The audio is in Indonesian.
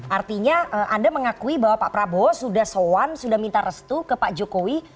artinya anda mengakui bahwa pak prabowo sudah soan sudah minta restu ke pak jokowi